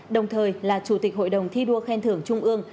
đồng thời là chủ tịch hội đồng thi đua khen thưởng trung ương